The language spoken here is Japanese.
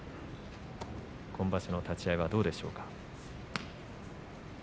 今場所の立ち合いはどうでしょうか。